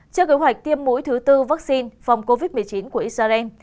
trước kế hoạch tiêm mũi thứ tư vaccine phòng covid một mươi chín của israel